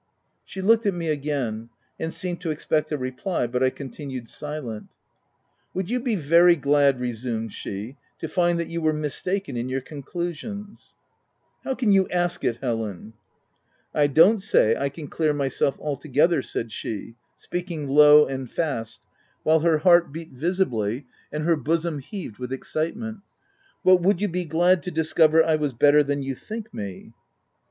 She looked at me again, and seemed to expect a reply ; but I continued silent. " Would you be very glad," resumed she, " to find that you were mistaken in your conclu sions I" VOL.. I f N 266 THE TENANT " How can you ask it, Helen V 9 " I don't say I can clear myself altogether," said she, speaking low and fast, while her heart beat visibly and her bosom heaved with excite ment, —* but would you be glad to discover I was better than you think me